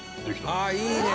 「ああいいね！